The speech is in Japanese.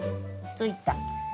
ついた！